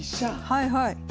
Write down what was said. はいはい。